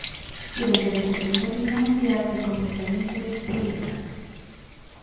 Durante la Segunda Guerra Mundial fue completamente destruida.